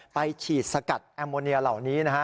ไปฉีดสกัดแอมโมเนียเหล่านี้นะฮะ